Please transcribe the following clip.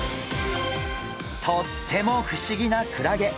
とっても不思議なクラゲ。